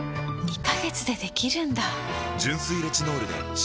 ２カ月でできるんだ！